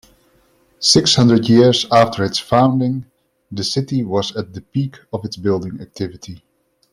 Six hundred years after its founding, the city was at the peak of its building activity.